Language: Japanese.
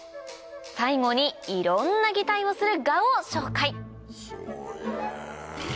最後にいろんな擬態をするガを紹介すごいねぇ。